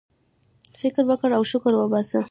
فكر وكره او شكر وباسه!